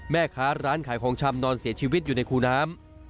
แม่ค้าร้านขายของชำนอนเสียชีวิตอยู่ในคูน้ำ